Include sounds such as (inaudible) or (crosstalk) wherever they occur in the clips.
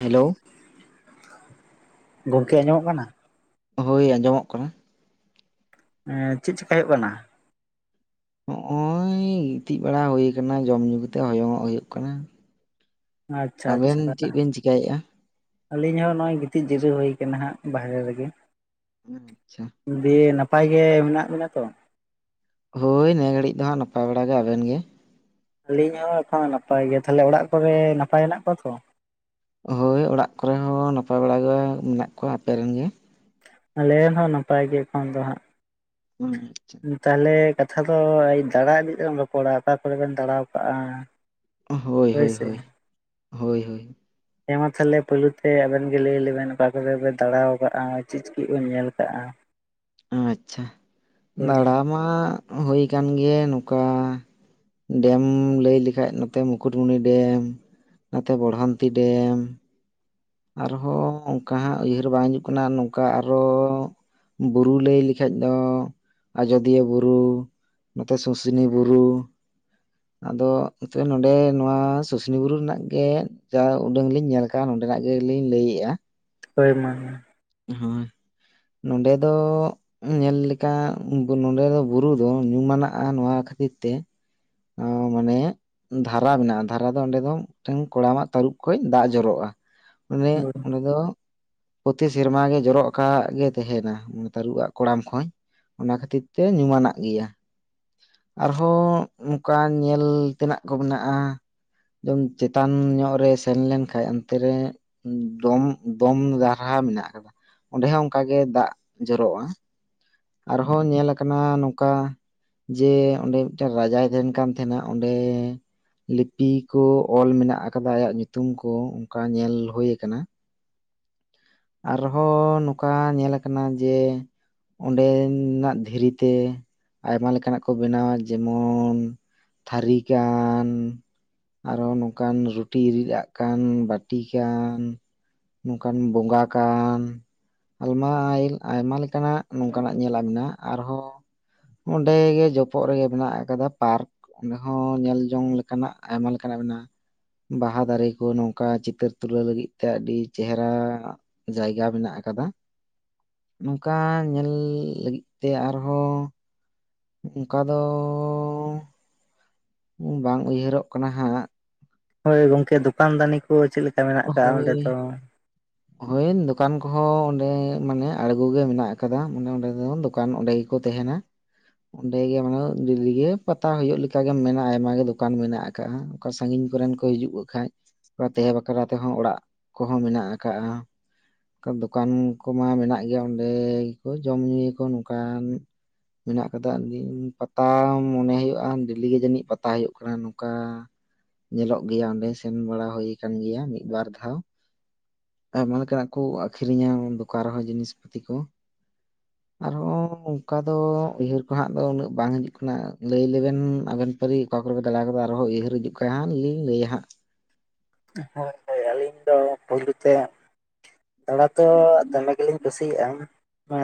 Hello ᱜᱚᱢᱠᱮ ᱟᱸᱡᱚᱢᱚᱜ ᱠᱟᱱᱟ ᱦᱳᱭ ᱟᱸᱡᱚᱢᱚᱜ ᱠᱟᱱᱟ ᱩᱸ ᱪᱮᱫ ᱪᱤᱠᱟᱭ ᱦᱩᱭᱩᱜ ᱠᱟᱱᱟ? ᱱᱚᱜᱼᱚᱭ ᱜᱤᱛᱤᱡ ᱵᱟᱲᱟ ᱦᱩᱭ ᱟᱠᱟᱱᱟ ᱡᱚᱢᱼ ᱧᱩ ᱠᱟᱛᱮ ᱦᱚᱭᱚᱝᱚᱜ ᱦᱩᱭᱩᱜ ᱠᱟᱱᱟ᱾ ᱟᱪᱪᱷᱟ ᱟᱵᱮᱱ ᱟᱪᱪᱷᱟ ᱪᱮᱫ ᱵᱮᱱ ᱪᱤᱠᱟᱭᱮᱫᱼᱟ? ᱟᱹᱞᱤᱧ ᱦᱚᱸ ᱱᱚᱜᱼᱚᱭ ᱜᱤᱛᱤᱡ ᱡᱤᱨᱟᱹᱣ ᱦᱩᱭ ᱟᱠᱟᱱᱟ ᱦᱟᱸᱜ ᱵᱟᱦᱨᱮ ᱨᱮᱜᱮ᱾ (unintelligible) (unintelligible) ᱜᱮ ᱢᱮᱱᱟᱜ ᱵᱤᱱᱟ ᱛᱚ? ᱦᱳᱭ ᱱᱤᱭᱟᱹ ᱜᱷᱟᱹᱲᱤᱡ ᱫᱚ ᱦᱟᱸᱜ ᱱᱟᱯᱟᱭ ᱵᱟᱲᱟ ᱜᱮ ᱟᱵᱮᱱ ᱜᱮ? ᱟᱹᱞᱤᱧ ᱦᱚᱸ ᱮᱠᱷᱚᱱ ᱱᱟᱯᱟᱭ ᱜᱮ ᱛᱟᱦᱞᱮ ᱚᱲᱟᱜ ᱠᱚᱨᱮ ᱱᱟᱯᱟᱭ ᱦᱮᱱᱟᱜ ᱠᱚᱣᱟ ᱛᱚ? ᱦᱳᱭ ᱚᱲᱟᱜ ᱠᱚᱨᱮ ᱦᱚᱸ ᱱᱟᱯᱟᱭ ᱵᱟᱲᱟ ᱜᱮ ᱢᱮᱱᱟᱜ ᱠᱚᱣᱟ᱾ ᱟᱯᱮ ᱨᱮᱱ ᱜᱮ? ᱟᱞᱮᱱ ᱦᱚᱸ ᱱᱟᱯᱟᱭ ᱜᱮ ᱮᱠᱷᱚᱱ ᱫᱚ ᱦᱟᱸᱜ᱾ ᱟᱪᱪᱷᱟ, ᱛᱟᱦᱞᱮ ᱠᱟᱛᱷᱟ ᱫᱚ ᱫᱟᱬᱟ ᱤᱫᱤᱜ ᱛᱮᱵ ᱨᱚᱯᱚᱲᱟ᱾ ᱚᱠᱟ ᱠᱚᱨᱮ ᱵᱮᱱ ᱫᱟᱬᱟᱣ ᱠᱟᱜᱼᱟ? ᱦᱳᱭ ᱦᱳᱭ ᱦᱳᱭ᱾ ᱦᱳᱭ ᱦᱳᱭ᱾ ᱦᱮᱸ ᱢᱟ ᱛᱟᱦᱚᱞᱮ ᱯᱳᱭᱞᱳ ᱛᱮ ᱟᱵᱮᱱ ᱜᱮ ᱞᱟᱹᱭ ᱞᱮᱵᱮᱱ ᱚᱠᱟ ᱠᱚᱨᱮ ᱵᱮᱱ ᱫᱟᱬᱟᱣ ᱠᱟᱜᱼᱟ᱾ ᱪᱮᱫ ᱪᱮᱫ ᱵᱮᱱ ᱧᱮᱞ ᱠᱟᱜᱼᱟ? ᱟᱪᱪᱷᱟ᱾ ᱫᱟᱬᱟ ᱢᱟ ᱦᱩᱭ ᱠᱟᱱ ᱜᱮ ᱱᱚᱝᱠᱟ ᱰᱮᱢ ᱞᱟᱹᱭ ᱞᱮᱠᱷᱟᱡ ᱱᱚᱛᱮ ᱢᱩᱠᱩᱴᱢᱩᱱᱤ ᱰᱮᱢ᱾ ᱚᱱᱟᱛᱮ ᱵᱚᱲᱦᱟᱱᱛᱤ ᱰᱮᱢ᱾ ᱟᱨᱦᱚᱸ ᱚᱱᱠᱟ ᱦᱟᱸᱜ ᱩᱭᱦᱟᱹᱨ ᱵᱟᱝ ᱦᱤᱡᱩᱜ ᱠᱟᱱᱟ ᱱᱚᱝᱠᱟ ᱟᱨᱦᱚ ᱵᱩᱨᱩ ᱞᱟᱹᱭ ᱞᱮᱠᱷᱟᱡ ᱫᱚ ᱟᱡᱳᱫᱤᱭᱟᱹ ᱵᱩᱨᱩ᱾ ᱱᱚᱛᱮ ᱥᱩᱥᱱᱤ ᱵᱩᱨᱩ᱾ ᱟᱫᱚ ᱱᱚᱛᱮ ᱱᱚᱸᱰᱮ ᱱᱚᱣᱟ ᱥᱩᱥᱱᱤ ᱵᱩᱨᱩ ᱨᱮᱱᱟᱜ ᱜᱮ ᱡᱟ ᱩᱰᱟᱹᱝ ᱞᱤᱧ ᱧᱮᱞ ᱠᱟᱜᱼᱟ᱾ ᱱᱚᱸᱰᱮᱱᱟᱜ ᱜᱮᱞᱤᱧ ᱞᱟᱹᱭᱮᱫᱼᱟ᱾ ᱦᱳᱭ ᱢᱟ᱾ (unintelligible) ᱱᱚᱰᱮ ᱫᱚ ᱧᱮᱞ ᱞᱮᱠᱟ ᱵᱩ ᱱᱚᱰᱮ ᱫᱚ ᱵᱩᱨᱩ ᱫᱚ ᱧᱩᱢᱟᱱᱟᱜ-ᱟ ᱱᱚᱣᱟ ᱠᱷᱟᱹ (unintelligible) ᱛᱮ ᱚ ᱢᱟᱱᱮ ᱫᱷᱟᱨᱟ ᱢᱮᱱᱟᱜᱼᱟ᱾ ᱫᱷᱟᱨᱟ ᱫᱚ ᱚᱸᱰᱮ ᱫᱚ ᱢᱤᱫᱴᱟᱹᱝ ᱠᱚᱲᱟᱢᱟᱜ ᱛᱟᱹᱨᱩᱵᱽ ᱠᱷᱚᱱ ᱫᱟᱜ ᱡᱚᱨᱚᱜᱼᱟ᱾ (unintelligible) ᱚᱸᱰᱮ ᱫᱚ (unintelligible) ᱥᱮᱨᱢᱟ ᱜᱮ ᱡᱚᱨᱚᱜ ᱟᱠᱟᱜ ᱜᱮ ᱛᱟᱦᱮᱱᱟ ᱩᱱᱤ ᱛᱟᱹᱨᱩᱵᱟᱜ ᱠᱚᱲᱟᱢ ᱠᱷᱚᱱ᱾ ᱚᱱᱟ ᱠᱷᱟᱹᱛᱤᱨ ᱛᱮ ᱧᱩᱢᱟᱱᱟᱜ ᱜᱮᱭᱟ᱾ ᱟᱨᱦᱚᱸ ᱱᱚᱝᱠᱟ ᱧᱮᱞ ᱛᱮᱱᱟᱜ ᱠᱚ ᱢᱮᱱᱟᱜᱼᱟ᱾ (unintelligible) ᱪᱮᱛᱟᱱ ᱧᱚᱜ ᱨᱮ ᱥᱮᱱ ᱞᱮᱱ ᱠᱷᱟᱡ ᱚᱱᱛᱮ ᱨᱮ ᱰᱚᱢ ᱵᱚᱢ (unintelligible) ᱦᱟ ᱢᱮᱱᱟᱜ ᱟᱠᱟᱫᱟ᱾ ᱚᱱᱰᱮ ᱦᱚᱸ ᱚᱱᱠᱟᱜᱮ ᱫᱟᱜ ᱡᱚᱨᱚᱜᱼᱟ᱾ ᱟᱨᱦᱚᱸ ᱧᱮᱞ ᱟᱠᱟᱱᱟ ᱱᱚᱝᱠᱟ ᱡᱮ ᱚᱸᱰᱮ ᱢᱤᱫᱴᱟᱹᱝ ᱨᱟᱡᱟᱭ ᱛᱟᱦᱮᱱ ᱠᱟᱱ ᱛᱟᱦᱮᱱᱟ᱾ ᱚᱸᱰᱮᱻ ᱞᱤᱯᱤ ᱠᱚ ᱚᱞ ᱢᱮᱱᱟᱜ ᱟᱠᱟᱫᱟ, ᱟᱭᱟᱜ ᱧᱩᱛᱩᱢ ᱠᱚ, ᱚᱱᱠᱟ ᱧᱮᱞ ᱦᱩᱭ ᱟᱠᱟᱱᱟ᱾ ᱟᱨᱦᱚᱸ ᱱᱚᱝᱠᱟ ᱧᱮᱞ ᱠᱟᱱᱟ ᱡᱮ ᱚᱸᱰᱮᱻᱱᱟᱜ ᱫᱷᱤᱨᱤᱛᱮ ᱟᱭᱢᱟ ᱞᱮᱠᱟᱱᱟᱜ ᱠᱚ ᱵᱮᱱᱟᱣᱟ ᱡᱮᱢᱚᱱ ᱛᱷᱟᱹᱨᱤ ᱜᱟᱱ ᱟᱨᱚ ᱱᱚᱝᱠᱟᱱ ᱨᱩᱴᱤ ᱨᱤᱫᱟᱜ ᱠᱟᱱ ᱵᱟᱹᱴᱤ ᱠᱟᱱ᱾ ᱱᱚᱝᱠᱟᱱ ᱵᱚᱸᱜᱟ ᱠᱟᱱ᱾ ᱟᱞᱢᱟᱭᱤᱞ ᱟᱭᱢᱟ ᱞᱮᱠᱟᱱᱟᱜ ᱱᱚᱝᱠᱟᱱᱟᱜ ᱧᱮᱞᱟᱜ ᱢᱮᱱᱟᱜᱼᱟ᱾ ᱟᱨᱦᱚᱸ ᱚᱸᱰᱮᱜᱮ ᱡᱚᱯᱚᱜ ᱨᱮᱜᱮ ᱢᱮᱱᱟᱜ ᱟᱠᱟᱫᱟ ᱯᱟᱨᱠ᱾ ᱚᱸᱰᱮ ᱦᱚᱸ ᱧᱮᱞᱡᱚᱝ ᱞᱮᱠᱟᱱᱟᱜ ᱟᱭᱢᱟ ᱞᱮᱠᱟᱱᱟᱜ ᱵᱟᱦᱟ ᱫᱟᱨᱮ ᱠᱚ ᱱᱚᱝᱠᱟ ᱪᱤᱛᱟᱹᱨ ᱛᱩᱞᱟᱹᱣ ᱞᱟᱹᱜᱤᱫ ᱛᱮ ᱟᱹᱰᱤ ᱪᱮᱦᱨᱟ ᱱᱚᱜ᱾ ᱡᱟᱭᱜᱟ ᱢᱮᱱᱟᱜ ᱟᱠᱟᱫᱟ᱾ ᱱᱚᱝᱠᱟ ᱧᱮᱞᱻ ᱛᱮᱭᱟᱜ ᱟᱨᱦᱚᱸ ᱚᱱᱠᱟ ᱫᱚᱻ ᱵᱟᱝ ᱩᱭᱦᱟᱹᱨᱚᱜ ᱠᱟᱱᱟ ᱦᱟᱸ ᱦᱟᱸᱜ᱾ ᱦᱳᱭ ᱜᱚᱝᱠᱮ ᱫᱚᱠᱟᱱ ᱫᱟᱱᱤ ᱠᱚ ᱪᱮᱫ ᱞᱮᱠᱟ ᱢᱮᱱᱟᱜ ᱟᱠᱟᱜ-ᱟ ᱚᱸᱰᱮ ᱦᱳᱭ ᱫᱚ? ᱦᱳᱭ ᱫᱚᱠᱟᱱ ᱠᱚᱦᱚᱸ ᱚᱸᱰᱮ ᱢᱟᱱᱮ ᱟᱬᱜᱚ ᱜᱮ ᱢᱮᱱᱟᱜ ᱟᱠᱟᱫᱟ᱾ ᱢᱟᱱᱮ ᱚᱸᱰᱮ ᱫᱚ ᱫᱚᱠᱟᱱ ᱚᱸᱰᱮ ᱜᱮᱠᱚ ᱛᱟᱦᱮᱱᱟ᱾ ᱚᱸᱰᱮ ᱜᱮ ᱢᱟᱱᱮ ᱫᱤᱞᱤ ᱜᱮ ᱯᱟᱛᱟ ᱦᱩᱭᱩᱜ ᱞᱮᱠᱟ ᱜᱮᱢ ᱢᱮ ᱟᱭᱢᱟᱜᱮ ᱫᱚᱠᱟᱱ ᱢᱮᱱᱟᱜ ᱟᱠᱫᱼᱟᱠᱟ ᱥᱟᱜᱤᱧ ᱠᱚᱨᱮᱱ ᱠᱚ ᱦᱤᱡᱩᱜ ᱠᱷᱟᱱ ᱛᱟᱦᱮᱸ ᱵᱟᱠᱷᱨᱟ ᱛᱮᱦᱚᱸ ᱚᱲᱟᱜ ᱠᱚᱦᱚᱸ ᱢᱮᱱᱟᱜ ᱟᱠᱟᱜᱼᱟ ᱫᱚᱠᱟᱱ ᱠᱚᱢᱟ ᱢᱮᱱᱟᱜ ᱜᱮᱭᱟ ᱚᱸᱰᱮ ᱜᱮᱠᱚ ᱡᱚᱢ ᱧᱩᱭᱟ ᱠᱚ ᱱᱚᱝᱠᱟᱱ ᱢᱮᱱᱟᱜ ᱟᱠᱟᱫᱟ ᱯᱟᱛᱟ ᱢᱚᱱᱮ ᱦᱩᱭᱩᱜᱼᱟ ᱰᱮᱞᱤ ᱜᱮ ᱡᱟᱹᱱᱤᱡ ᱯᱟᱛᱟ ᱦᱩᱭᱩᱜ ᱠᱟᱱᱟ ᱱᱚᱝᱠᱟ ᱧᱮᱞᱚᱜ ᱜᱮᱭᱟ ᱚᱸᱰᱮ ᱥᱮᱱ ᱵᱟᱲᱟ ᱦᱩᱭ ᱟᱠᱟᱱ ᱜᱮᱭᱟ ᱢᱤᱫ ᱵᱟᱨ ᱫᱷᱟᱣ ᱟᱭᱢᱟ ᱞᱮᱠᱟᱱᱟᱜ ᱠᱚ ᱟᱠᱷᱨᱤᱧᱟ ᱫᱚᱠᱟᱱ ᱨᱮᱦᱚᱸ ᱡᱤᱱᱤᱥ ᱯᱟᱹᱛᱤ ᱠᱚ (inaudible) ᱟᱨᱦᱚᱸ ᱚᱱᱠᱟ ᱫᱚ ᱩᱭᱦᱟᱹᱨ ᱠᱚ ᱦᱟᱜ ᱫᱚ ᱩᱱᱟᱹᱜ ᱵᱟᱝ ᱦᱤᱡᱩᱜ ᱠᱟᱱᱟ ᱞᱟᱹᱭ ᱞᱮᱵᱮᱱ ᱟᱵᱮᱱ ᱯᱟᱹᱨᱤ ᱚᱠᱟ ᱚᱠᱟᱨᱮ ᱯᱮ ᱫᱟᱲᱟ ᱠᱟᱫᱟ ᱟᱨᱦᱚᱸ ᱩᱭᱦᱟᱹᱨ ᱦᱤᱡᱩᱜ ᱠᱷᱟᱜ ᱦᱟᱸᱜ ᱞᱤᱧ ᱞᱟᱹᱭᱟ ᱦᱟᱸᱜ ᱦᱳᱭ ᱦᱳᱭ ᱟᱹᱞᱤᱧ ᱫᱚ ᱯᱳᱭᱞᱳ ᱛᱮ ᱫᱟᱲᱟ ᱫᱚ ᱫᱚᱢᱮ ᱜᱮᱞᱤᱧ ᱠᱩᱥᱤᱭᱟᱜᱼᱟ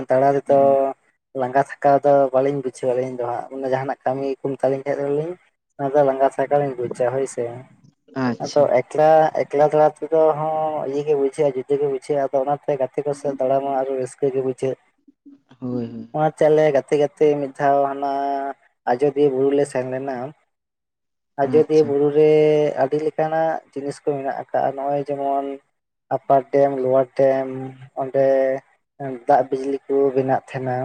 ᱫᱟᱲᱟ ᱛᱮᱫᱚ ᱞᱟᱸᱜᱟ ᱛᱷᱟᱠᱟᱣ ᱫᱚ ᱵᱟᱟᱹᱞᱤᱧ ᱵᱩᱡᱷᱟᱹᱣᱟ ᱟᱹᱞᱤᱧ ᱫᱚ ᱦᱟᱜ ᱚᱱᱟ ᱡᱟᱦᱟᱱᱟᱜ ᱠᱟᱹᱢᱤ ᱠᱚ ᱢᱮᱛᱟᱞᱤᱧ ᱠᱷᱟᱱ ᱫᱚᱞᱤᱧ ᱟᱫᱚ ᱞᱟᱸᱜᱟ ᱛᱷᱟᱠᱟ ᱞᱤᱧ ᱵᱩᱡᱟ ᱦᱳᱭ ᱥᱮ ᱟᱫᱚ ᱟᱪᱪᱷᱟ ᱮᱠᱞᱟ ᱮᱠᱞᱟ ᱮᱠᱞᱟᱫᱮᱞᱟ ᱛᱮᱫᱦᱚᱸ ᱤᱭᱟᱹ ᱜᱮ ᱵᱩᱡᱷᱟᱹᱜᱼᱟ ᱡᱩᱫᱟᱹ ᱜᱮ ᱵᱩᱡᱷᱟᱹᱜᱼᱟ ᱟᱫᱚ ᱚᱱᱟ ᱜᱟᱛᱮ ᱠᱚ ᱥᱟᱶ ᱫᱟᱲᱟ ᱢᱟ ᱟᱨᱚ ᱨᱟᱹᱥᱠᱟᱹ ᱜᱮ ᱵᱩᱡᱷᱟᱹᱜ ᱦᱳᱭ ᱦᱳᱭ ᱚᱱᱟᱛᱮ ᱟᱞᱮ ᱜᱟᱛᱮ ᱜᱟᱛᱮ ᱜᱟᱛᱮ ᱢᱤᱫ ᱫᱷᱟᱣ ᱦᱟᱱᱟ ᱟᱡᱳᱫᱤᱭᱟᱹ ᱵᱩᱨᱩ ᱞᱮ ᱥᱮᱱ ᱞᱮᱱᱟ ᱟᱡᱚᱫᱤᱭᱟᱹ ᱟᱪᱪᱷᱟ ᱵᱩᱨᱩ ᱨᱮ ᱟᱹᱰᱤ ᱞᱮᱠᱟᱱᱟᱜ ᱡᱤᱱᱤᱥ ᱠᱚ ᱢᱮᱱᱟᱜ ᱟᱠᱟᱫᱼᱟ ᱱᱚᱜᱼᱚᱭ ᱡᱮᱢᱚᱱ ᱟᱯᱟᱨ ᱰᱮᱢ ᱞᱚᱣᱟᱨ ᱰᱮᱢ ᱚᱸᱰᱮ ᱫᱟᱜ ᱵᱤᱡᱽᱞᱤ ᱠᱚ ᱵᱮᱱᱟᱜ ᱛᱟᱦᱮᱸᱱᱟ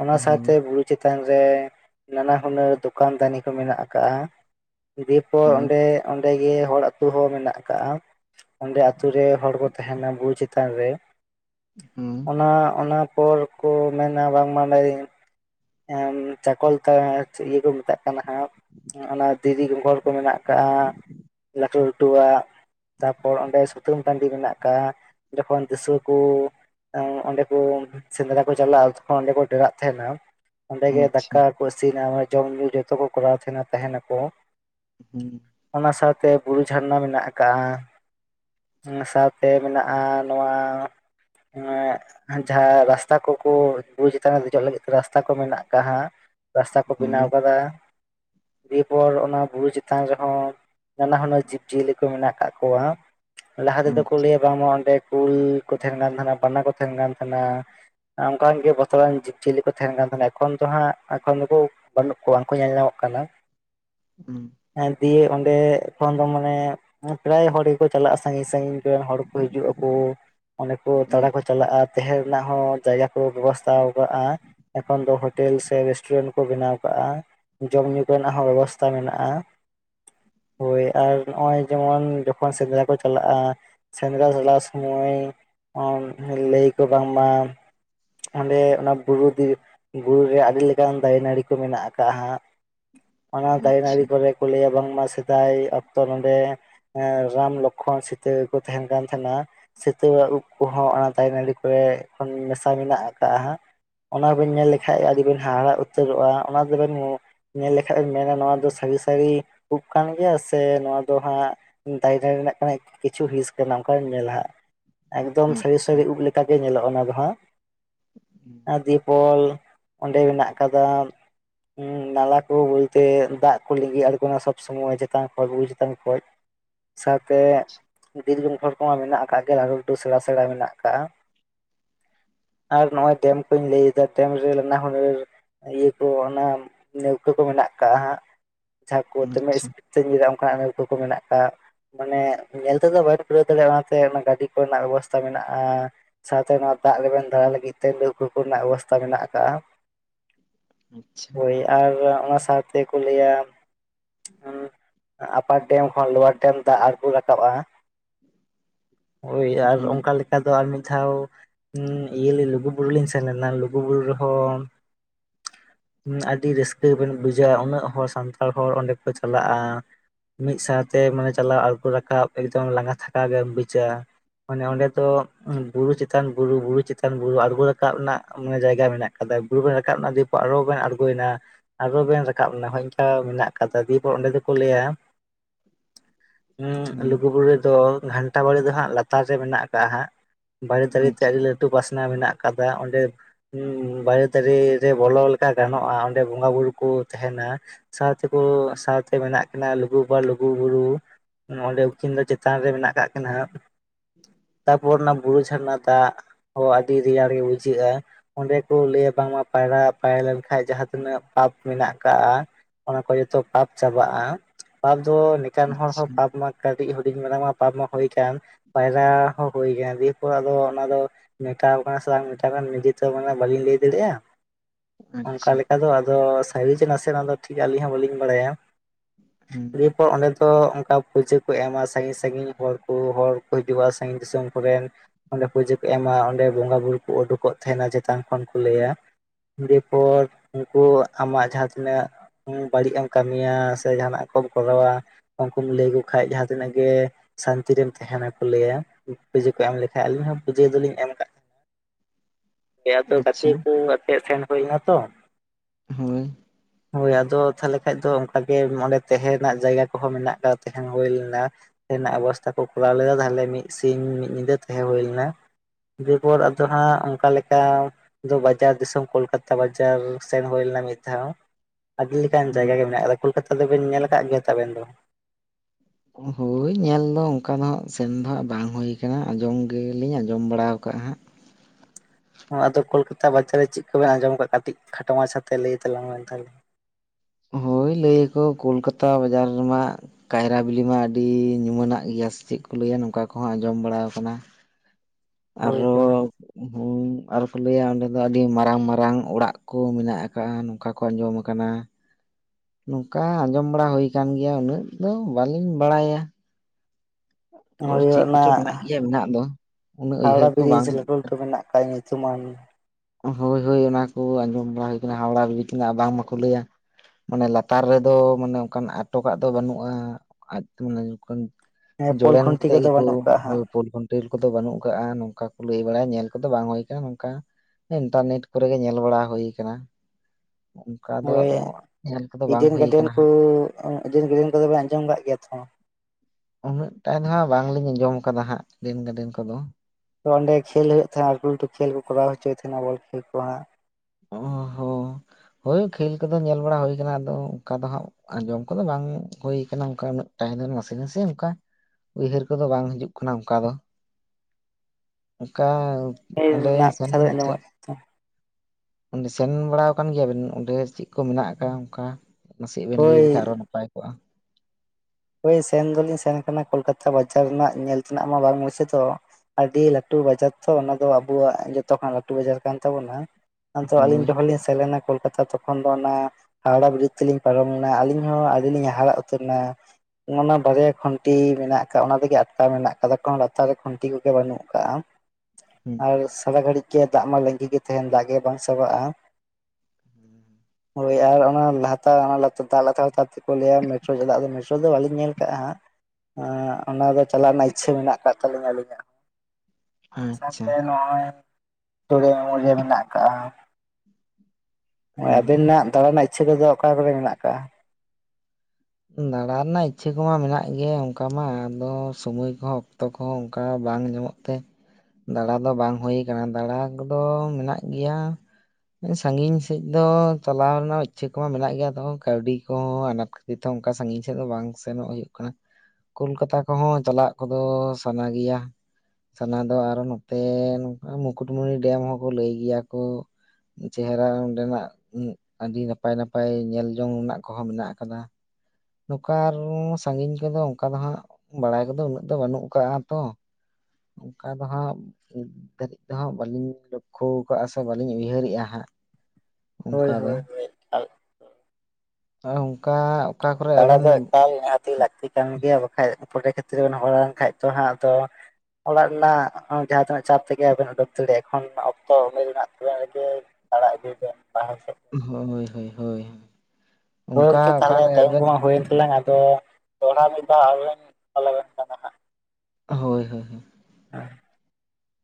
ᱚᱱᱟ ᱦᱳᱭ ᱥᱟᱶᱛᱮ ᱵᱩᱨᱩ ᱪᱮᱛᱟᱱ ᱨᱮ ᱱᱟᱱᱟ ᱦᱩᱱᱟᱹᱨ ᱫᱚᱠᱟᱱ ᱫᱟᱹᱱᱤ ᱠᱚ ᱢᱮᱱᱟᱜ ᱟᱠᱟᱜᱼᱟ ᱫᱤᱭᱮ ᱯᱚᱨ ᱦᱳᱭ ᱚᱸᱰᱮ ᱚᱸᱰᱮ ᱜᱮ ᱦᱚᱲ ᱟᱛᱳ ᱦᱚᱸ ᱢᱮᱱᱟᱜ ᱟᱠᱟᱜᱼᱟ ᱚᱸᱰᱮ ᱟᱛ ᱨᱮ ᱦᱚᱲ ᱠᱚ ᱛᱟᱦᱮᱸᱱᱟ ᱵᱩ ᱪᱮᱛᱟᱱ ᱨᱮ ᱦᱳᱭ ᱚᱱᱟ ᱚᱱᱟ ᱯᱚᱨ ᱠᱚ ᱢᱮᱱᱟ ᱵᱟᱝᱢᱟ ᱢᱮ ᱤᱱ ᱪᱟᱠᱚᱞ ᱤᱭᱟᱹ ᱠᱚ ᱢᱮᱛᱟᱜ ᱠᱟᱱᱟ ᱦᱟᱜ ᱚᱱᱟ ᱫᱤᱨᱤ ᱦᱚᱲ ᱠᱚ ᱢᱮᱱᱟᱜ ᱟᱠᱟᱟᱜᱼᱟ ᱞᱟᱹᱴᱩ ᱞᱟᱹᱴᱩᱣᱟ ᱛᱟᱯᱚᱨ ᱚᱸᱰᱮ ᱥᱩᱛᱟᱹᱱ ᱴᱟᱺᱰᱤ ᱢᱮᱱᱟᱜ ᱚᱱᱠᱟ ᱡᱚᱠᱷᱚᱱ ᱫᱤᱥᱟᱹ ᱠᱚ ᱚᱸᱰᱮ ᱠᱚ ᱥᱮᱸᱫᱽᱨᱟ ᱠᱚ ᱪᱟᱞᱟᱜᱼᱟ ᱛᱚᱠᱷᱚᱱ ᱚᱸᱰᱮ ᱠᱚ ᱰᱮᱨᱟᱜ ᱛᱟᱦᱮᱸᱱᱟ ᱚᱸᱰᱮᱜᱮ ᱟᱪᱪᱷᱟ ᱫᱟᱠᱟ ᱠᱚ ᱤᱥᱤᱱᱟ ᱡᱚᱢ ᱧᱩᱩ ᱡᱚᱛᱚ ᱠᱚ ᱠᱚᱨᱟᱣ ᱛᱟᱦᱮᱸᱱᱟ ᱛᱟᱦᱮᱸᱱᱟᱠᱚ ᱦᱩᱸ ᱛᱮ ᱵᱩᱨᱩ ᱡᱷᱟᱨᱱᱟ ᱢᱮᱱᱟᱜ ᱟᱠᱟᱜ-ᱟ ᱚᱱᱟ ᱥᱟᱶᱛᱮ ᱥᱮ ᱢᱮᱱᱟᱜ-ᱟ ᱱᱚᱣᱟ ᱮ ᱡᱟᱦᱟᱸ ᱨᱟᱥᱛᱟ ᱠᱚᱠᱚ ᱵᱩᱨᱩ ᱪᱮᱛᱟᱱ ᱨᱮ ᱫᱮᱡᱚᱜ ᱞᱟᱹᱜᱤᱫ ᱛᱮ ᱨᱟᱥᱛᱟ ᱠᱚ ᱢᱮᱱᱟᱜ ᱟᱠᱟᱫ ᱦᱟᱸᱜ ᱨᱟᱥᱛᱟ ᱠᱚ ᱵᱮᱱᱟᱣ ᱦᱳᱭ ᱠᱟᱫᱟ ᱫᱤᱭᱮᱯᱚᱨ ᱚᱱᱟ ᱵᱩᱨᱩ ᱪᱮᱛᱟᱱ ᱨᱮᱦᱚᱸ ᱱᱟᱱᱟᱦᱩᱱᱟᱹᱨ ᱡᱤᱵᱽᱡᱤᱭᱟᱹᱞᱤ ᱠᱚ ᱢᱮᱱᱟᱜ ᱟᱠᱟᱫ ᱠᱚᱣᱟ ᱞᱟᱦᱟ ᱛᱮᱫᱚ ᱟᱪᱪᱷᱟ ᱠᱚ ᱞᱟᱹᱭᱟ ᱵᱟᱝᱢᱟ ᱚᱸᱰᱮ ᱩᱞ ᱠᱚ ᱛᱟᱦᱮᱱ ᱠᱟᱱ ᱛᱟᱦᱮᱱᱟ ᱵᱟᱱᱟ ᱠᱚ ᱛᱟᱦᱮᱱ ᱠᱟᱱ ᱛᱟᱦᱮᱱᱟ ᱚᱱᱠᱟᱱ ᱜᱮ ᱵᱚᱛᱚᱨᱟᱱ ᱡᱤᱵᱽ-ᱡᱤᱭᱟᱹᱞᱤ ᱠᱚ ᱛᱟᱦᱮᱱ ᱠᱟᱱ ᱛᱟᱦᱮᱱᱟ ᱮᱠᱷᱚᱱ ᱫᱚ ᱦᱟᱸᱜ ᱮᱠᱷᱚᱱ ᱫᱚᱠᱚ ᱵᱟᱹᱱᱩᱜ ᱠᱚᱣᱟ ᱩᱱᱠᱩ ᱵᱟᱠᱳ ᱧᱮᱞ ᱧᱟᱢᱚᱜ ᱠᱟᱱᱟ ᱠᱟᱱᱟ ᱦᱮᱸ ᱫᱤᱭᱮ ᱚᱸᱰᱮ ᱮᱠᱷᱚᱱ ᱫᱚ ᱢᱟᱱᱮ ᱯᱨᱟᱭ ᱦᱚᱲ ᱜᱮᱠᱚ ᱪᱟᱞᱟᱜ-ᱟ ᱥᱟᱺᱜᱤᱧ ᱥᱟᱺᱜᱤᱧ ᱨᱮᱱ ᱦᱚᱲ ᱠᱚ ᱦᱤᱡᱩᱜ ᱟᱠᱚ ᱚᱸᱰᱮ ᱠᱚ ᱛᱟᱲᱟ ᱠᱚ ᱪᱟᱞᱟᱜ-ᱟ ᱛᱟᱦᱮᱸ ᱨᱮᱱᱟᱜ ᱦᱚᱸ ᱡᱟᱭᱜᱟ ᱠᱚ ᱵᱮᱵᱚᱥᱛᱷᱟ ᱟᱠᱟᱜ-ᱟ ᱮᱠᱷᱚᱱ ᱫᱚ ᱦᱳᱴᱮᱞ ᱥᱮ ᱨᱮᱥᱴᱩᱨᱮᱱᱴ ᱠᱚ ᱵᱮᱱᱟᱣ ᱟᱠᱟᱫ-ᱟ ᱡᱚᱢ-ᱧᱩ ᱠᱚᱨᱮᱱᱟᱜ ᱦᱚᱸ ᱵᱮᱵᱚᱥᱛᱷᱟ ᱢᱮᱱᱟᱜ-ᱟ ᱦᱳᱭ ᱟᱨ ᱱᱚᱜ-ᱚᱭ ᱡᱮᱢᱚᱱ ᱡᱚᱠᱷᱚᱱ ᱥᱮᱸᱫᱽᱨᱟ ᱠᱚ ᱪᱟᱞᱟᱜ-ᱟ ᱥᱮᱸᱫᱽᱨᱟ ᱦᱮᱞᱟᱣ ᱥᱚᱢᱚᱭ ᱟᱨ ᱞᱟᱹᱭ ᱟᱠᱚ ᱵᱟᱝᱢᱟ ᱚᱸᱰᱮ ᱚᱱᱟ ᱵᱩᱨᱩ ᱵᱩᱨᱩ ᱨᱮ ᱟᱹᱰᱤ ᱞᱮᱠᱟᱱ ᱫᱟᱨᱮ-ᱱᱟᱹᱲᱤ ᱠᱚ ᱢᱮᱱᱟᱜ ᱟᱠᱟᱜ-ᱟ ᱦᱟᱸᱜ ᱚᱱᱟ ᱫᱟᱨᱮ ᱱᱟᱹᱲᱤ ᱟᱪᱪᱷᱟ ᱠᱚᱨᱮ ᱠᱚ ᱞᱟᱹᱭᱟ ᱵᱟᱝ ᱥᱮᱫᱟᱭ ᱚᱠᱛᱚ ᱱᱚᱸᱰᱮ ᱨᱟᱢ ᱞᱚᱠᱠᱷᱚᱱ ᱥᱤᱛᱟᱹ ᱠᱚ ᱛᱟᱦᱮᱱ ᱠᱟᱱ ᱛᱟᱦᱮᱱᱟ ᱥᱤᱛᱟᱹ ᱩᱵ ᱠᱚᱦᱚᱸ ᱚᱱᱟ ᱫᱟᱨᱮ ᱱᱟᱹᱲᱤ ᱠᱚᱨᱮ ᱮᱠᱷᱚᱱ ᱢᱮᱥᱟ ᱢᱮᱱᱟᱜ ᱟᱠᱟᱫᱟ ᱦᱟᱸᱜ ᱚᱱᱟ ᱵᱮᱱ ᱧᱮᱞ ᱞᱮᱠᱷᱟᱡ ᱟᱹᱰᱤᱵᱤᱱ ᱦᱟᱦᱟᱲᱟ ᱩᱛᱟᱹᱨᱚᱜ-ᱟ ᱚᱱᱟ ᱫᱚᱵᱮᱱ ᱧᱮᱞ ᱞᱮᱠᱷᱟᱡ ᱵᱮᱱ ᱢᱮᱱᱟ ᱱᱚᱣᱟ ᱫᱚ ᱥᱟᱹᱨᱤ ᱥᱟᱹᱨᱤ ᱩᱵ ᱠᱟᱱ ᱜᱮᱭᱟ ᱥᱮ ᱱᱚᱣᱟ ᱫᱚ ᱦᱟᱸᱜ ᱫᱟᱨᱮ ᱱᱟᱹᱲᱤ (unintelligible) ᱠᱤᱪᱷᱩ ᱦᱤᱸᱥ ᱠᱟᱱᱟ ᱚᱱᱠᱟ ᱜᱮᱢ ᱧᱮᱞᱟ ᱦᱟᱸᱜ ᱮᱠᱫᱚᱢ ᱥᱟᱹᱨᱤ ᱥᱟᱹᱨᱤ ᱟᱪᱪᱷᱟ ᱩᱵ ᱞᱮᱠᱟᱜᱮ ᱧᱮᱞᱚᱜ-ᱟ ᱚᱱᱟ ᱫᱚ ᱦᱟᱸᱜ ᱟᱨ ᱫᱤᱭᱮᱯᱚᱞ ᱚᱸᱰᱮ ᱢᱮᱱᱟᱜ ᱟᱠᱟᱫᱟ ᱦᱮᱸ ᱱᱟᱞᱟ ᱠᱚ ᱵᱚᱞᱛᱮ ᱫᱟᱜ ᱠᱚ ᱞᱤᱸᱜᱤ ᱟᱬᱜᱳᱱᱟ ᱥᱚᱵ ᱥᱚᱢᱚᱭ ᱪᱮᱛᱟᱱ ᱠᱷᱚᱱ ᱵᱩᱨᱩ ᱪᱮᱛᱟᱱ ᱠᱷᱚᱡ ᱥᱟᱶᱛᱮ ᱵᱤᱨ (unintelligible) ᱠᱚᱢᱟ ᱢᱮᱱᱟᱜ ᱟᱠᱟᱫ ᱜᱮ ᱟᱨᱦᱚ ᱞᱟᱹᱩ ᱞᱟᱹᱴᱩ ᱥᱮᱬᱟ ᱥᱮᱬᱟ ᱢᱮᱱᱟᱜ ᱟᱠᱟᱜ-ᱟ᱾ ᱟᱨ ᱱᱚᱜ-ᱚᱭ ᱰᱮᱢ ᱠᱩᱧ ᱞᱟᱹᱭᱮᱫᱟ ᱰᱮᱢ ᱨᱮ ᱱᱟ ᱦᱚᱸ ᱱᱟᱹᱨ ᱤᱭᱟᱹ ᱠᱚ ᱚᱱᱟ ᱱᱟᱹᱣᱠᱟᱹ ᱠᱚ ᱢᱮᱱᱟᱜ ᱟᱠᱟᱟᱜ-ᱟ ᱦᱟᱸᱜ ᱡᱟᱦᱟᱸ ᱠᱚ ᱫᱚᱢᱮ ᱟᱪᱪᱷᱟ ᱤᱥᱯᱤᱰ ᱛᱮ ᱧᱤᱨᱟᱜ-ᱟ ᱚᱱᱠᱟᱱᱟᱜ ᱞᱟᱣᱠᱟᱹ ᱠᱚ ᱢᱮᱱᱟᱜ ᱟᱠᱟᱜ ᱢᱟᱱᱮ ᱧᱮᱞ ᱛᱮᱫᱚ ᱵᱟᱹᱧ ᱯᱩᱨᱟᱹᱣ ᱫᱟᱲᱮᱭᱟᱜ-ᱟ ᱚᱱᱟᱛᱮ ᱚᱱᱟ ᱜᱟᱹᱰᱤ ᱠᱚᱨᱮᱱᱟᱜ ᱵᱮᱵᱚᱥᱛᱟ ᱢᱮᱱᱟᱜ-ᱟ ᱥᱟᱶᱛᱮ ᱱᱚᱣᱟ ᱫᱟᱜ ᱨᱮᱵᱮᱱ ᱫᱟᱲᱟ ᱞᱟᱹᱜᱤᱫ ᱛᱮ ᱱᱟᱹᱣᱠᱟᱹ ᱠᱚ ᱨᱮᱱᱟᱜ ᱵᱮᱵᱚᱥᱛᱟ ᱢᱮᱱᱟᱜ ᱟᱠᱟᱜ-ᱟ ᱟᱪᱪᱷᱟ ᱦᱳᱭ ᱟᱨ ᱚᱱᱟ ᱥᱟᱶᱛᱮ ᱠᱚ ᱞᱟᱹᱭᱟ ᱟᱯᱟᱨ ᱰᱮᱢ ᱠᱷᱚᱱ ᱞᱳᱣᱟᱨ ᱰᱮᱢ ᱫᱟᱜ ᱟᱨᱜᱚ ᱨᱟᱠᱟᱵᱟ ᱦᱳᱭ ᱟᱨ ᱦᱳᱭ ᱚᱱᱠᱟ ᱞᱮᱠᱟ ᱫᱚ ᱟᱨ ᱢᱤᱫ ᱫᱷᱟᱣ ᱤᱭᱟᱹ ᱞᱩᱜᱩ-ᱵᱩᱨᱩ ᱞᱤᱧ ᱥᱮᱱ ᱞᱮᱱᱟ ᱞᱩᱜᱩ-ᱵᱩᱨᱩ ᱨᱮᱦᱚᱸ ᱟᱹᱰᱤ ᱨᱟᱹᱥᱠᱟᱹ ᱵᱮᱱ ᱵᱩᱡᱷᱟᱹᱣ-ᱟ ᱩᱱᱟᱹᱜ ᱦᱚᱲ ᱥᱟᱱᱛᱟᱲ ᱦᱚᱲ ᱚᱸᱰᱮ ᱠᱚ ᱪᱟᱞᱟᱜ-ᱟ᱾ ᱢᱤᱫ ᱥᱟᱶᱛᱮ ᱢᱟᱱᱮ ᱪᱟᱞᱟᱣ ᱟᱬᱜᱚ ᱨᱟᱠᱟᱵ ᱮᱠᱫᱚᱢ ᱞᱟᱸᱜᱟ ᱛᱷᱟᱠᱟᱣ ᱜᱮᱢ ᱵᱩᱡᱟ ᱢᱟᱱᱮ ᱚᱸᱰᱮ ᱫᱚ ᱵᱩᱨᱩ ᱪᱮᱛᱟᱱ ᱵᱩᱨᱩ ᱵᱩᱨᱩ ᱪᱮᱛᱟᱱ ᱵᱩᱨᱩ ᱟᱬᱜᱚ ᱨᱟᱠᱟᱵ ᱨᱮᱱᱟᱜ ᱢᱟᱱᱮ ᱡᱟᱭᱜᱟ ᱢᱮᱱᱟᱜ ᱟᱠᱟᱫᱟ᱾ ᱵᱩᱨᱩ ᱵᱮᱱ ᱨᱟᱠᱟᱵᱱᱟ ᱫᱤᱭᱮ ᱯᱚᱨᱮ ᱟᱨᱦᱚ ᱵᱮᱱ ᱟᱬᱜᱳᱮᱱᱟ ᱟᱨᱚᱵᱮᱱ ᱨᱟᱠᱟᱵ ᱮᱱᱟ ᱦᱚᱭ ᱚᱝᱠᱟ ᱢᱮᱱᱟᱜ ᱟᱠᱟᱫᱟ ᱫᱤᱭᱟ ᱯᱚᱨᱮ ᱠᱚ ᱞᱟᱹᱭᱟ ᱦᱳᱭ ᱞᱩᱜᱩᱵᱩᱨᱩ ᱨᱮᱫᱚ ᱜᱷᱟᱱᱴᱟ ᱜᱷᱟᱱᱴᱟ ᱵᱟᱲᱮ ᱫᱚ ᱦᱟᱸᱜ ᱞᱟᱛᱟᱨ ᱨᱮ ᱢᱮᱱᱟᱜ ᱟᱠᱟᱫᱟ ᱦᱟᱸᱜ ᱵᱟᱲᱮ ᱫᱟᱨᱮ ᱛᱮ ᱟᱪᱪᱷᱟ ᱟᱹᱰᱤ ᱞᱟᱹᱴᱩ ᱯᱟᱥᱱᱟ ᱢᱮᱱᱟᱜ ᱟᱠᱟᱫᱟ ᱟᱠᱟᱫᱟ ᱚᱸᱰᱮ ᱵᱟᱲᱮ ᱫᱟᱨᱮ ᱨᱮ ᱵᱚᱞᱚ ᱞᱮᱠᱟ ᱜᱟᱱᱚᱜ-ᱟ ᱚᱸᱰᱮ ᱵᱚᱸᱜᱟ ᱵᱩᱨᱩ ᱠᱚ ᱛᱟᱦᱮᱱᱟ᱾ ᱥᱟᱶᱛᱮᱠᱚ ᱥᱟᱶᱛᱮ ᱢᱮᱱᱟᱜ ᱠᱤᱱᱟ ᱞᱩᱜᱩ ᱵᱟᱵᱟ ᱞᱩᱜᱩᱵᱩᱨᱩ ᱱᱚᱜ ᱚᱸᱰᱮ ᱩᱠᱤᱱ ᱫᱚ ᱪᱮᱛᱟᱱ ᱨᱮ ᱢᱮᱱᱟᱜ ᱠᱟᱜ ᱠᱤᱱᱟ ᱦᱟᱸᱜ ᱛᱟᱨᱯᱚᱨ ᱚᱱᱟ ᱵᱩᱨᱩ ᱡᱷᱟᱨᱱᱟ ᱫᱟᱜ ᱦᱚᱸ ᱟᱹᱰᱤ ᱨᱮᱭᱟᱲ ᱜᱮ ᱵᱩᱡᱷᱟᱹᱜ-ᱟ ᱚᱸᱰᱮ ᱠᱚ ᱞᱟᱹᱭᱟ ᱵᱟᱝᱢᱟ ᱯᱟᱭᱨᱟ ᱯᱟᱭᱨᱟ ᱞᱮᱱᱠᱷᱟᱱ ᱡᱟᱦᱟᱸ ᱡᱟᱦᱟᱸ ᱛᱤᱱᱟᱹᱜ ᱯᱟᱯ ᱢᱮᱱᱟᱜ ᱟᱠᱟᱜ-ᱟ ᱚᱱᱟ ᱠᱚ ᱡᱚᱛᱚ ᱯᱟᱯ ᱪᱟᱵᱟᱜ-ᱟ ᱯᱟᱯ ᱫᱚ ᱱᱮᱠᱟᱱ ᱦᱚᱲ ᱦᱚᱸ ᱟᱪᱪᱷᱟ ᱯᱟᱯ ᱢᱟ ᱠᱟᱹᱴᱤᱡ ᱦᱩᱰᱤᱧ ᱢᱟᱨᱟᱝ ᱢᱟ ᱯᱟᱯ ᱢᱟ ᱦᱩᱭ ᱟᱠᱟᱱ ᱯᱟᱭᱨᱟ ᱦᱩᱭ ᱠᱟᱱᱟ ᱫᱤᱭᱮᱯᱚᱨ ᱟᱫᱚ ᱚᱱᱟ ᱫᱚ ᱢᱮᱴᱟᱣ ᱠᱟᱱᱟ ᱥᱮ ᱵᱟᱝ ᱢᱮᱴᱟᱣ ᱠᱟᱱᱟ ᱱᱤᱡᱮ ᱛᱚ ᱵᱟᱹᱞᱤᱧ ᱞᱟᱹᱭ ᱫᱟᱲᱮᱭᱟᱜ-ᱟ᱾ ᱚᱱᱠᱟ ᱟᱪᱪᱷᱟ ᱞᱮᱠᱟ ᱫᱚ ᱟᱫᱚ ᱥᱟᱨᱤ ᱡᱮ ᱱᱟᱥᱮ ᱴᱷᱤᱠ ᱟᱹᱞᱤᱧ ᱦᱚᱸ ᱵᱟᱹᱞᱤᱧ ᱵᱟᱲᱟᱭᱟ ᱦᱩᱸ ᱫᱤᱭᱮᱯᱚ ᱚᱸᱰᱮ ᱫᱚ ᱚᱱᱠᱟ ᱯᱩᱡᱟᱹ ᱠᱚ ᱮᱢᱟ ᱥᱟᱺᱜᱤᱧ ᱥᱟᱺᱜᱤᱧ ᱦᱚᱲ ᱠᱚ ᱦᱚᱲ ᱠᱚ ᱦᱤᱡᱩᱜᱼᱟ ᱥᱟᱺᱜᱤᱧ ᱫᱤᱥᱚᱢ ᱠᱚᱨᱮᱱ ᱚᱸᱰᱮ ᱯᱩᱡᱟᱹ ᱠᱚ ᱮᱢᱟ ᱚᱸᱰᱮ ᱵᱚᱸᱜᱟ ᱵᱩᱨᱩ ᱠᱚ ᱩᱰᱩᱠᱚᱜ ᱛᱟᱦᱮᱱᱟ ᱪᱮᱛᱟᱱ ᱠᱷᱚᱱ ᱠᱚ ᱞᱟᱹᱭᱟ ᱫᱤᱭᱮᱯᱚᱛ ᱩᱱᱠᱩ ᱟᱢᱟᱜ ᱡᱟᱦᱟᱸ ᱛᱤᱱᱟᱹᱜ ᱵᱟᱹᱲᱤᱡ ᱮᱢ ᱠᱟᱹᱢᱤᱭᱟ ᱥᱮ ᱡᱟᱦᱟᱱᱟᱜ ᱠᱚᱢ ᱠᱚᱨᱟᱣᱟ ᱩᱱᱠᱩᱢ ᱞᱟᱹᱭ ᱠᱮ ᱠᱷᱟᱡ ᱡᱟᱦᱟᱸ ᱛᱤᱱᱟᱹᱜ ᱜᱮ ᱥᱟᱱᱛᱤ ᱨᱮᱢ ᱛᱟᱦᱮᱱᱟ ᱠᱚ ᱞᱟᱹᱭᱟ ᱯᱩᱡᱟᱹ ᱠᱚ ᱮᱢ ᱞᱮᱠᱷᱟᱡ ᱟᱹᱞᱤᱧ ᱦᱚᱸ ᱯᱩᱡᱟᱹ ᱫᱚᱞᱤᱧ ᱮᱢ ᱮᱢᱠᱟᱜ ᱛᱟᱦᱮᱸ ᱱᱟ ᱦᱳᱭ ᱟᱫᱚ ᱟᱪᱪᱷᱟ ᱜᱟᱛᱮ ᱠᱚ ᱟᱯᱮ ᱥᱮᱱ ᱦᱩᱭ ᱮᱱᱟ ᱛᱚ ᱦᱳᱭ ᱦᱳᱭ ᱟᱫᱚ ᱛᱟᱦᱚᱞᱮ ᱠᱷᱟᱱᱡ ᱫᱚ ᱚᱱᱠᱟᱜ ᱜᱮ ᱚᱸᱰᱮ ᱛᱟᱦᱮᱸ ᱨᱮᱱᱟᱜ ᱡᱟᱭᱜᱟ ᱠᱚᱦᱚᱸ ᱢᱮᱱᱟᱜ ᱠᱟᱫ ᱛᱟᱦᱮᱸᱱ ᱦᱩᱭ ᱞᱮᱱᱟ ᱨᱮᱱᱟᱜ ᱚᱵᱚᱥᱛᱷᱟ ᱠᱚ ᱠᱚᱨᱟᱣ ᱞᱮᱫᱟ ᱛᱟᱦᱚᱞᱮ ᱢᱤᱫ ᱥᱤᱧ ᱢᱤᱫ ᱧᱤᱫᱟᱹ ᱛᱟᱦᱮᱸ ᱦᱩᱭ ᱞᱮᱱᱟ᱾ ᱫᱤᱭᱮᱯᱚᱨ ᱟᱫᱚ ᱦᱟᱸᱜ ᱚᱱᱠᱟᱮ ᱞᱮᱠᱟ ᱫᱚ ᱵᱟᱡᱟᱨ ᱫᱤᱥᱚᱢ ᱠᱳᱞᱠᱟᱛᱟ ᱵᱟᱡᱟᱨ ᱥᱮᱱ ᱦᱩᱭ ᱢᱤᱫ ᱫᱷᱟᱣ ᱟᱹᱰᱤ ᱞᱮᱠᱟᱱ ᱡᱟᱭᱜᱟ ᱜᱮ ᱢᱮᱱᱟᱜ ᱟᱠᱟᱫᱟ ᱠᱳᱞᱠᱟᱛᱟ ᱫᱚᱵᱮᱱ ᱧᱮᱞ ᱟᱠᱟᱫ ᱜᱮᱭᱟ ᱛᱚ ᱟᱵᱮᱱ ᱫᱚ ᱦᱳᱭ ᱧᱮᱞ ᱫᱚ ᱚᱱᱠᱟ ᱫᱚ ᱦᱟᱜ ᱥᱮᱱ ᱫᱚ ᱦᱟᱜ ᱵᱟᱝ ᱦᱩᱭ ᱠᱟᱱᱟ ᱟᱸᱡᱚᱢ ᱜᱮᱞᱤᱧ ᱟᱸᱡᱚᱢ ᱵᱟᱲᱟᱣ ᱠᱟᱜ ᱦᱟᱸᱜ (inaudible) ᱟᱫᱚ ᱠᱳᱞᱠᱟᱛᱟ ᱵᱟᱡᱟᱨ ᱨᱮ ᱪᱮᱫ ᱠᱚᱵᱮᱱ ᱟᱸᱡᱚᱢ ᱠᱟᱜ ᱠᱟᱹᱴᱤᱡ ᱠᱷᱟᱴᱚ ᱢᱟᱪᱷᱟᱛᱮ ᱞᱟᱹᱭ ᱛᱟᱞᱟᱝ ᱢᱮ ᱛᱟᱦᱚᱞᱮ (inaudible) ᱦᱳᱭ ᱞᱟᱹᱭ ᱟᱠᱚ ᱠᱳᱞᱠᱟᱛᱟ ᱵᱟᱡᱟᱨᱢᱟ ᱠᱟᱭᱨᱟ ᱵᱤᱞᱤ ᱢᱟ ᱟᱹᱰᱤ ᱧᱩᱢᱟᱹᱱᱟᱜ ᱜᱮᱭᱟ ᱡᱟᱥ ᱪᱮᱜ ᱠᱚ ᱞᱟᱹᱭᱟ ᱱᱚᱝᱠᱟ ᱠᱚᱦᱚᱸ ᱟᱸᱡᱚᱢ ᱵᱟᱲᱟ ᱟᱠᱟᱱᱟ ᱦᱳᱭ ᱟᱨᱚ ᱦᱳᱭ (inaudible) ᱟᱨ ᱠᱚ ᱞᱟᱹᱭᱟ ᱚᱸᱰᱮ ᱫᱚ ᱟᱹᱰᱤ ᱢᱟᱨᱟᱝ ᱢᱟᱨᱟᱝ ᱚᱲᱟᱜ ᱠᱚ ᱢᱮᱱᱟᱜ ᱟᱠᱟᱜᱼᱟ ᱱᱚᱝᱠᱟ ᱠᱚ ᱟᱸᱡᱚᱢ ᱟᱠᱟᱱᱟ ᱱᱚᱝᱠᱟ ᱟᱸᱡᱚᱢ ᱵᱟᱲᱟ ᱦᱩᱭ ᱠᱟᱱ ᱜᱮᱭᱟ ᱩᱱᱟᱹᱜ ᱫᱚ ᱵᱟᱹᱞᱤᱧ ᱵᱟᱲᱟᱭᱟ ᱛᱚ ᱦᱩᱭ ᱪᱮᱫ ᱚᱱᱟ ᱠᱚᱪᱚ ᱢᱮᱱᱟᱜ ᱜᱮᱭᱟ ᱢᱮᱱᱟᱜ ᱫᱚ ᱩᱱᱟᱹᱜ ᱦᱟᱣᱲᱟ ᱩᱭᱦᱟᱹᱨ ᱠᱚ ᱵᱨᱤᱡᱽ ᱵᱟᱝ ᱞᱟᱹᱴᱩ ᱞᱟᱹᱴᱩ ᱢᱮᱱᱟᱜ ᱟᱠᱟᱜ ᱛᱩᱢᱟᱱ ᱦᱳᱭ ᱦᱳᱭ ᱚᱱᱟᱠᱚ ᱟᱸᱡᱚᱢ ᱵᱟᱲᱟ ᱦᱩᱭ ᱟᱠᱟᱱᱟ ᱦᱟᱣᱲᱟ ᱵᱨᱤᱡᱽᱢᱟ ᱵᱟᱝ ᱢᱟᱠᱚ ᱞᱟᱹᱭᱟ ᱢᱟᱱᱮ ᱞᱟᱛᱟᱨ ᱨᱮᱫᱚ ᱢᱟᱱᱮ ᱚᱱᱠᱟᱱ ᱟᱴᱚᱠᱟᱜ ᱫᱚ ᱵᱟᱹᱱᱩᱜᱼᱟ ᱟᱡ ᱢᱟᱱᱮ ᱦᱮᱸ ᱯᱳᱞ ᱡᱚᱲᱮᱱ ᱠᱷᱩᱱᱴᱤ ᱠᱟᱛᱮ ᱠᱚᱫᱚ ᱜᱮᱠᱚ ᱵᱟᱹᱱᱩᱜ ᱠᱟᱜ ᱦᱳᱭ ᱦᱟᱸᱜ ᱯᱳᱞ ᱠᱷᱳᱱᱴᱮᱞ ᱠᱚᱫᱚ ᱵᱟᱹᱱᱩᱜ ᱠᱟᱜᱼᱟ ᱱᱚᱝ ᱚᱱᱠᱟ ᱠᱚ ᱞᱟᱹᱭ ᱵᱟᱲᱟᱭᱟ ᱧᱮᱞ ᱠᱚᱫᱚ ᱵᱟᱝ ᱦᱩᱭ ᱟᱠᱟᱱᱟ ᱱᱚᱝᱠᱟ ᱤᱱᱴᱟᱨᱱᱮᱴ ᱠᱚᱨᱮ ᱜᱮ ᱧᱮᱞ ᱵᱟᱲᱟ ᱦᱩᱭ ᱟᱠᱟᱱᱟ ᱦᱳᱭ ᱤᱰᱮᱱ ᱦᱩᱭ ᱜᱟᱨᱰᱮᱱ ᱠᱟᱱᱟ ᱠᱚ ᱦᱟᱸᱜ ᱤᱰᱮᱱ ᱜᱟᱨᱰᱮᱱ ᱠᱚᱫᱚ ᱵᱮᱱ ᱟᱸᱡᱚᱢ ᱠᱟᱜ ᱜᱮᱭᱟ ᱛᱚ (inaudible) ᱩᱱᱟᱹᱜ ᱴᱟᱭ ᱫᱚ ᱦᱟᱸᱜ ᱵᱟᱝᱞᱤᱧ ᱟᱸᱡᱚᱢ ᱠᱟᱫᱟ ᱦᱟᱸᱜ ᱤᱰᱮᱱᱜᱰᱮᱱ ᱠᱚᱫᱚ ᱛᱚ ᱚᱸᱰᱮ ᱠᱷᱮᱞ ᱦᱩᱭᱩᱜ ᱛᱟᱦᱮᱱᱟ ᱞᱟᱹᱴᱩ ᱞᱟᱹᱴᱩ ᱠᱷᱮᱞ ᱠᱚ ᱠᱚᱨᱟᱣ ᱦᱚᱪᱚᱭ ᱛᱟᱦᱮᱱᱟ ᱵᱚᱞ ᱠᱷᱮᱞ ᱠᱚ ᱦᱟᱸᱜ ᱚ ᱦᱚᱸ ᱦᱳᱭ ᱠᱷᱮᱞ ᱠᱚᱫᱚ ᱧᱮᱞ ᱵᱟᱲᱟ ᱦᱩᱭᱩ ᱟᱠᱟᱱᱟᱱᱟ ᱟᱫᱚ ᱚᱱᱠᱟ ᱫᱚ ᱦᱟᱸᱜ ᱟᱸᱡᱚᱢ ᱠᱚᱫᱚ ᱵᱟᱝ ᱦᱩᱭᱩ ᱟᱠᱟᱱᱟ ᱚᱱᱠᱟ ᱩᱱᱟᱹᱜ ᱴᱟᱭ ᱫᱚ ᱱᱟᱥᱮ ᱱᱟᱥᱮ ᱚᱱᱠᱟ ᱩᱭᱦᱟᱹᱨ ᱠᱚᱫᱚ ᱵᱟᱝ ᱦᱤᱡᱩᱜ ᱠᱟᱱᱟ ᱚᱱᱠᱟ ᱫᱚ ᱚᱱᱠᱟ ᱠᱷᱮᱞ ᱚᱸᱰᱮ ᱨᱮᱱᱟᱜ ᱥᱮᱱ ᱠᱟᱛᱷᱟ ᱫᱚ ᱥᱮ ᱟᱡᱚᱢᱚᱜ ᱛᱚ ᱚᱸᱰᱮ ᱥᱮᱱ ᱵᱟᱲᱟ ᱟᱠᱟᱱ ᱜᱮᱭᱟᱵᱮᱱ ᱚᱸᱰᱮ ᱪᱮᱫ ᱠᱚ ᱢᱮᱱᱟᱜ ᱟᱠᱟᱜᱼᱟ ᱚᱱᱠᱟ ᱱᱟᱥᱮ ᱵᱮᱱ ᱞᱟᱹᱭ ᱦᱳᱭ ᱞᱮᱠᱷᱟᱡ ᱟᱨᱚ ᱱᱟᱯᱟᱭ ᱠᱚᱜᱼᱟ ᱦᱳᱭ ᱥᱮᱱ ᱫᱚᱞᱤᱧ ᱥᱮᱱ ᱠᱟᱱᱟ ᱠᱳᱞᱠᱟᱛᱟ ᱵᱟᱡᱟᱨ ᱨᱮᱱᱟᱜ ᱧᱮᱞ ᱛᱮᱱᱟᱜ ᱢᱟ ᱵᱟᱝ ᱢᱩᱪᱟᱹᱛᱚᱜ ᱟᱹᱰᱤ ᱞᱟᱹᱴᱩ ᱵᱟᱡᱟᱨ ᱛᱚ ᱚᱱᱟ ᱫᱚ ᱟᱵᱚᱣᱟᱜ ᱡᱚᱛᱚᱠᱷᱚᱱ ᱞᱟᱹᱴᱩ ᱵᱟᱡᱟᱨ ᱠᱟᱱ ᱛᱟᱵᱚᱱᱟ ᱟᱫᱚ ᱟᱹᱞᱤᱧ ᱦᱳᱭ ᱡᱚᱠᱷᱚᱱ ᱞᱤᱧ ᱥᱮᱱ ᱞᱮᱱᱟ ᱠᱳᱞᱠᱟ ᱛᱚᱠᱷᱚᱱ ᱫᱚ ᱚᱱᱟ ᱦᱟᱣᱲᱟ ᱵᱤᱨᱤᱡᱽ ᱛᱮᱞᱤᱧ ᱯᱟᱨᱚᱢ ᱢᱮᱱᱟ ᱟᱹᱞᱤᱧ ᱦᱚᱸ ᱟᱹᱰᱤ ᱞᱤᱧ ᱦᱟᱦᱟᱲᱟᱜ ᱩᱛᱟᱹᱨ ᱮᱱᱟ ᱚᱱᱟ ᱵᱟᱨᱭᱟ ᱠᱷᱩᱱᱴᱤ ᱢᱮᱱᱟᱜ ᱟᱠᱟᱜᱼᱟ ᱚᱱᱟ ᱛᱮᱜᱮ ᱟᱴᱠᱟᱣ ᱢᱮᱱᱟᱜ ᱟᱠᱟᱫᱟ ᱠᱳᱱᱳ ᱞᱟᱛᱟᱨ ᱨᱮ ᱠᱷᱩᱱᱴᱤ ᱠᱩᱜᱮ ᱵᱟᱹᱱᱩᱜ ᱠᱟᱜᱼᱟ ᱦᱩᱸ ᱟᱨ ᱥᱟᱨᱟ ᱜᱷᱟᱹᱲᱤᱡ ᱜᱮ ᱫᱟᱜ ᱢᱟ ᱞᱤᱸᱜᱤ ᱜᱮ ᱛᱟᱦᱮᱱ ᱫᱟᱜ ᱜᱮ ᱵᱟᱝ ᱥᱟᱵᱟᱜᱼᱟ (inaudible) ᱦᱳᱭ ᱟᱨ ᱚᱱᱟ ᱞᱟᱦᱟᱛᱮ ᱚᱱᱟ ᱫᱟᱜ ᱞᱟᱛᱟᱨ ᱞᱟᱛᱟᱨ ᱛᱮᱠᱚ ᱞᱟᱹᱭᱟ ᱟᱠᱚ ᱢᱮᱴᱨᱳ ᱪᱟᱞᱟᱜᱼᱟ ᱫᱚ ᱪᱳᱞ ᱫᱚ ᱵᱟᱹᱞᱤᱧ ᱧᱮᱞ ᱠᱟᱜᱼᱟ ᱦᱟᱜ ᱚᱱᱟ ᱫᱚ ᱪᱟᱞᱟᱜ ᱨᱮᱱᱟᱜ ᱤᱪᱪᱷᱟᱹ ᱢᱮᱱᱟᱜ ᱠᱟᱜ ᱛᱟᱹᱟᱞᱤᱧᱟ ᱟᱪᱪᱷᱟ ᱥᱟᱶᱛᱮ ᱱᱚᱜᱼᱚᱸᱚᱭ ᱪᱩᱲᱤᱭᱟᱹ ᱢᱩᱲᱭᱟᱹ ᱢᱮᱱᱟᱜ ᱟᱠᱟᱟᱜᱼᱟ ᱦᱩᱸ ᱟᱹᱵᱤᱱᱟᱜ ᱫᱟᱬᱟᱱ ᱨᱮᱱᱟᱜ ᱤᱪᱪᱷᱟᱹ ᱠᱚᱫᱚ ᱚᱠᱟ ᱠᱚᱨᱮ ᱢᱮᱱᱟᱜ ᱠᱟᱜᱼᱟ ᱫᱟᱬᱟ ᱨᱮᱱᱟᱜ ᱤᱪᱪᱷᱟᱹ ᱠᱚᱢᱟ ᱢᱮᱱᱟᱜ ᱜᱮ ᱚᱱᱠᱟ ᱢᱟ ᱟᱫᱚ ᱥᱚᱢᱚᱭ ᱠᱚᱦᱚᱸ ᱚᱠᱛᱚ ᱠᱚᱦᱚᱸ ᱚᱱᱠᱟ ᱵᱟᱝ ᱧᱟᱢᱚᱜ ᱛᱮ ᱫᱟᱬᱟ ᱫᱚ ᱵᱟᱝ ᱦᱩᱭ ᱠᱟᱱᱟ ᱫᱟᱬᱟ ᱠᱚᱫᱚ ᱢᱮᱱᱟᱜ ᱜᱮᱭᱟ ᱥᱟᱺᱜᱤᱧ ᱥᱮᱫ ᱫᱚ ᱪᱟᱞᱟᱣ ᱨᱮᱱᱟᱜ ᱤᱪᱪᱷᱟᱹ ᱠᱚᱢᱟ ᱢᱮᱱᱟᱜ ᱜᱮᱭᱟ ᱛᱚ ᱠᱟᱹᱣᱰᱤ ᱠᱚᱦᱚᱸ ᱟᱱᱟᱴ ᱱᱚᱛᱚ ᱚᱱᱠᱟ ᱥᱟᱜᱤᱧ ᱥᱮᱫ ᱫᱚ ᱵᱟᱝ ᱥᱮᱱᱚᱜ ᱦᱩᱭᱩᱜ ᱠᱟᱱᱟ ᱠᱳᱞᱠᱟᱛᱟ ᱠᱚᱦᱚᱸ ᱪᱟᱞᱟᱜ ᱠᱚᱫᱚ ᱥᱟᱱᱟ ᱜᱮᱭᱟ ᱥᱟᱱᱟ ᱫᱚ ᱟᱨᱚ ᱱᱚᱛᱮ ᱢᱩᱠᱩᱴᱢᱩᱱᱤ ᱰᱮᱢ ᱦᱚᱸᱠᱚ ᱞᱟᱹᱭ ᱜᱮᱭᱟ ᱠᱚ ᱪᱮᱦᱨᱟ ᱱᱚᱸᱰᱮᱱᱟᱜ ᱟᱹᱰᱤ ᱱᱟᱯᱟᱭ ᱱᱟᱯᱟᱭ ᱧᱮᱞᱡᱚᱝ ᱨᱮᱱᱟᱜ ᱠᱚᱦᱚᱸ ᱢᱮᱱᱟᱜ ᱟᱠᱟᱫᱟ ᱱᱚᱝᱠᱟ ᱥᱟᱺᱜᱤᱧ ᱠᱚᱫᱚ ᱚᱱᱠᱟ ᱫᱚ ᱦᱟᱸᱜ ᱵᱟᱲᱟᱭ ᱠᱚᱫᱚ ᱩᱱᱟᱹᱜ ᱫᱚ ᱵᱟᱹᱱᱩᱜ ᱠᱟᱜᱼᱟ ᱛᱚ ᱚᱱᱠᱟ ᱫᱚ ᱦᱟᱸᱜ ᱱᱤᱛ ᱫᱷᱟᱹᱨᱤᱡ ᱫᱚᱦᱟᱸᱜ ᱵᱟᱹᱞᱤᱧ ᱞᱚᱠᱠᱷᱚ ᱠᱟᱜᱼᱟ ᱥᱮ ᱵᱟᱟᱹᱞᱤᱧ ᱩᱭᱦᱟᱹᱨᱮᱜᱼᱟ ᱦᱟᱸᱜ ᱦᱳᱭ ᱚᱱᱠᱟ ᱫᱚ ᱦᱳᱭ ᱦᱳᱭ ᱚᱱᱠᱟ ᱚᱠᱟ ᱠᱚᱨᱮ ᱫᱟᱲᱟ ᱟᱵᱮᱱ ᱫᱚ ᱮᱠᱟᱞ ᱱᱤᱦᱟᱹᱛ ᱞᱟᱹᱠᱛᱤ ᱠᱟᱱ ᱜᱮᱭᱟ ᱵᱟᱠᱷᱟᱡ ᱯᱚᱨᱮ ᱠᱷᱮᱛᱨᱮ ᱨᱮᱵ ᱦᱚᱨ ᱞᱮᱱᱠᱟᱱ ᱫᱚ ᱦᱟᱸᱜ ᱟᱫᱚ ᱚᱲᱟᱜ ᱨᱮᱱᱟᱜ ᱡᱟᱦᱟᱸ ᱛᱤᱱᱟᱹᱜ ᱪᱟᱯ ᱛᱮᱜᱮ ᱟᱵᱤᱱᱟᱜ ᱰᱩᱠᱛᱟᱲᱤ ᱮᱠᱷᱚᱱ ᱚᱠᱛᱚ ᱩᱢ ᱨᱮᱱᱟᱜ ᱛ ᱨᱮᱜᱮ ᱟᱲᱟᱜ ᱤᱫᱤ ᱯᱮ ᱦᱳᱭ ᱦᱳᱭ ᱦᱳᱭ ᱦᱳᱭ ᱚᱱᱠᱟ ᱜᱚᱢᱠᱮ ᱛᱟᱦᱞᱮ ᱚᱠᱟᱨᱮ ᱴᱟᱭᱤᱢ ᱟᱵᱮᱱ ᱠᱚᱢᱟ ᱦᱩᱭᱮᱱ ᱛᱞᱟᱝᱼᱟ ᱫᱚ ᱫᱚᱲᱦᱟ ᱟᱨ ᱢᱤᱫ (inaudible) ᱦᱟᱸᱜ ᱦᱳᱭ ᱦᱳᱭ ᱦᱳᱭ ᱦᱮᱸ